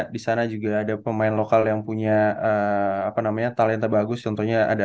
disana juga ada pemain lokal yang punya apa namanya talenta bagus contohnya ada